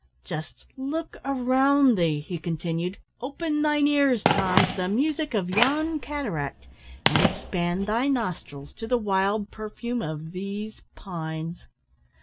"Just look around thee," he continued; "open thine ears, Tom, to the music of yon cataract, and expand thy nostrils to the wild perfume of these pines."